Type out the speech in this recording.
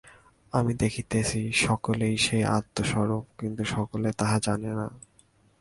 আমি দেখিতেছি, সকলেই সেই আত্মস্বরূপ, কিন্তু সকলে তাহা জানে না।